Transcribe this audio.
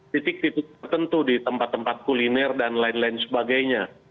titik titik tertentu di tempat tempat kuliner dan lain lain sebagainya